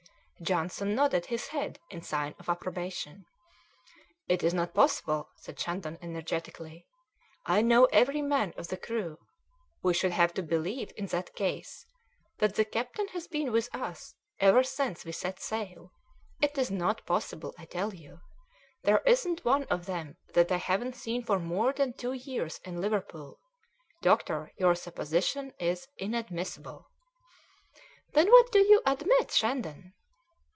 Johnson nodded his head in sign of approbation. "It is not possible!" said Shandon energetically. "I know every man of the crew. We should have to believe, in that case, that the captain has been with us ever since we set sail. It is not possible, I tell you. There isn't one of them that I haven't seen for more than two years in Liverpool; doctor, your supposition is inadmissible." "Then what do you admit, Shandon?"